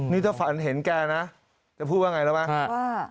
นี่เถอะฝันเห็นแกนะแต่พูดว่าอย่างไรแล้วไหม